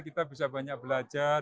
kita bisa banyak belajar